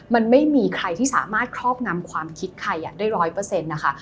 มันไม่มีใครที่สามารถครอบงำความคิดใครได้ร้อยเปอร์เซ็นต์นะคะ